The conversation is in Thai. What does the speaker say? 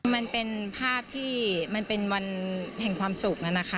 มันเป็นภาพที่มันเป็นวันแห่งความสุขนะคะ